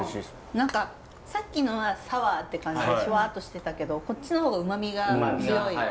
何かさっきのはサワーって感じでシュワッとしてたけどこっちの方がうまみが強い。